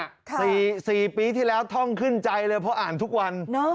สี่ปีที่แล้วท่องขึ้นใจเลยเพราะอ่านทุกวัน